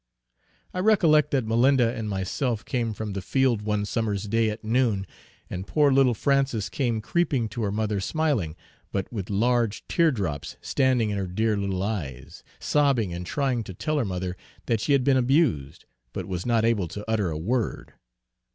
I recollect that Malinda and myself came from the field one summer's day at noon, and poor little Frances came creeping to her mother smiling, but with large tear drops standing in her dear little eyes, sobbing and trying to tell her mother that she had been abused, but was not able to utter a word.